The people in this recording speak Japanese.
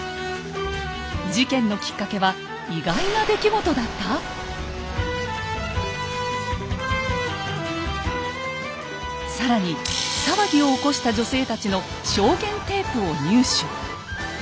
事件のきっかけは更に騒ぎを起こした女性たちの証言テープを入手。